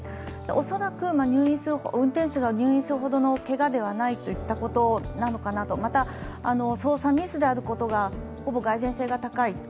恐らく、運転手が、入院するほどのけがではなかったとまた、操作ミスであることがほぼ蓋然性が高い。